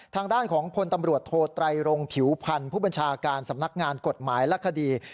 ทางด้านของพลตำรวจโทไตรรงผิวพันธ์ผู้บัญชาการสำนักงานกฎหมายและคดี